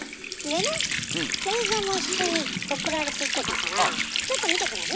でね映像も一緒に送られてきてたからちょっと見てくれる？